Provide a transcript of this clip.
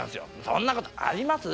そんなことあります？